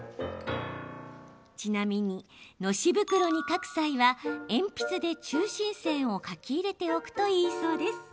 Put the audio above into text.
ちなみに、のし袋に書く際は鉛筆で中心線を書き入れておくといいそうです。